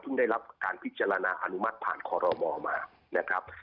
ได้รับการพิจารณาอนุมัติผ่านคอรมอมานะครับ